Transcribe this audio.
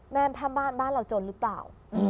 ถ้าบ้านเราจนหรือเปล่า